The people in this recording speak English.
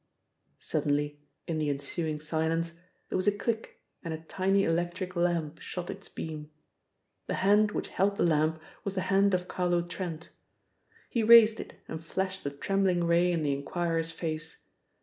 Suddenly, in the ensuing silence, there was a click and a tiny electric lamp shot its beam. The hand which held the lamp was the hand of Carlo Trent. He raised it and flashed the trembling ray in the inquirer's face.